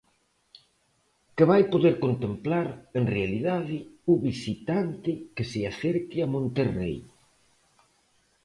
Que vai poder contemplar, en realidade, o visitante que se acerque a Monterrei?